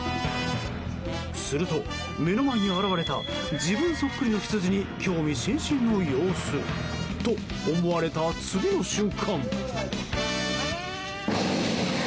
すると、目の前に現れた自分そっくりのヒツジに興味津々の様子と思われた次の瞬間。